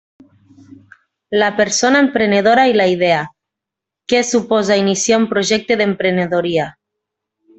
La persona emprenedora i la idea: què suposa iniciar un projecte d'emprenedoria.